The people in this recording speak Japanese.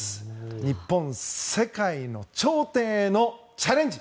日本、世界の頂点へのチャレンジ！